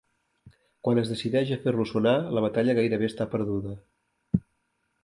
Quan es decideix a fer-lo sonar, la batalla gairebé està perduda.